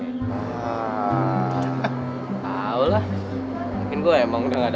eh bangkuan men